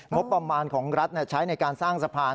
งบประมาณของรัฐใช้ในการสร้างสะพาน